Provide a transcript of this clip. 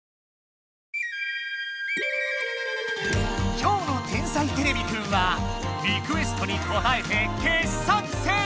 今日の「天才てれびくん」はリクエストにこたえて傑作選！